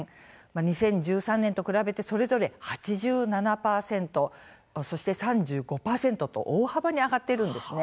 ２０１３年と比べてそれぞれ８７％、そして３５％と大幅に上がっているんです。